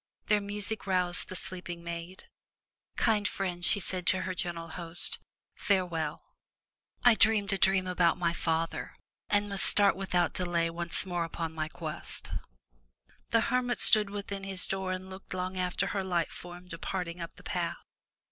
Their music roused the sleeping maid, "Kind friend,'' she said to her gentle host, "farewell! I dreamed a dream about my father, and must start without delay once more upon my quest/' The hermit stood within his door and looked long after her light form departing up the path.